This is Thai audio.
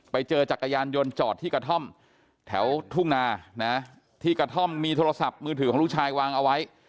จักรยานยนต์จอดที่กระท่อมแถวทุ่งนานะที่กระท่อมมีโทรศัพท์มือถือของลูกชายวางเอาไว้